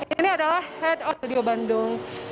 ini adalah head of studio bandung